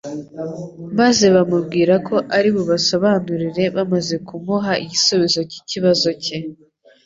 maze ababwira ko ari bubasobanurire bamaze kumuha igisubizo cy'ikibazo cye.